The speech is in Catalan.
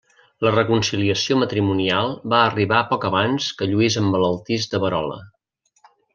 La reconciliació matrimonial va arribar poc abans que Lluís emmalaltís de verola.